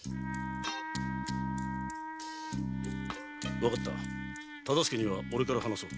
わかった忠相には俺から話そう。